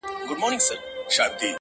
زما گلاب .گلاب دلبره نور به نه درځمه.